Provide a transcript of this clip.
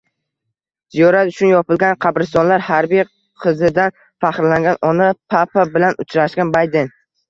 Ziyorat uchun yopilgan qabristonlar, harbiy qizidan faxrlangan ona, Papa bilan uchrashgan Bayden